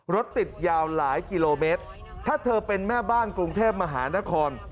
รถติดยาวหลายกิโลเมตรถ้าเธอเป็นแม่บ้านกรุงเทพมหานคร